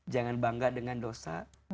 jangan bangga dengan dosa